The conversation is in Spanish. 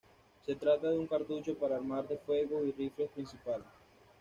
Se trata de un cartucho para armas de fuego, y rifles principales.